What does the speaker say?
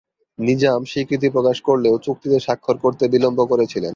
নিজাম স্বীকৃতি প্রকাশ করলেও চুক্তিতে স্বাক্ষর করতে বিলম্ব করেছিলেন।